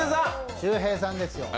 秀平さんですよ。